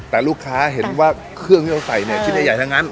แต่ลูกค้าเห็นว่าเครื่องที่เราใส่เนี่ยชิ้นใหญ่ทั้งนั้น